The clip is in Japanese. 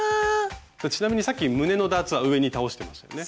ちなみにさっき胸のダーツは上に倒してましたよね。